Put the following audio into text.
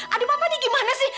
aduh papa ini gimana sih